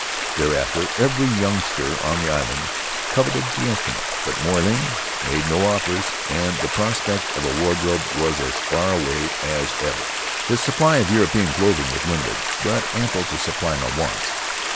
Thereafter every youngster on the island coveted the instrument, but Moy Ling made no offers and the prospect of a wardrobe was as far away as ever. His supply of European clothing was limited, but ample to supply my wants.